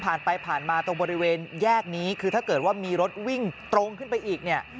ผ่านไปผ่านมาตรงบริเวณแยกนี้คือถ้าเกิดว่ามีรถวิ่งตรงขึ้นไปอีกเนี่ย